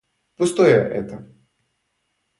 Пустое это!